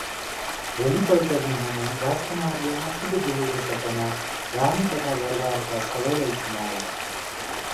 भोलिपल्ट बिहान राजकुमारले आफूले देखेको सपना रानी तथा दरबारका सबैलाई सुनाए ।